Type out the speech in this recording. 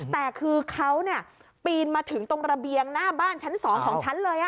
แต่คือเขาปีนมาถึงตรงระเบียงหน้าบ้านชั้น๒ของฉันเลย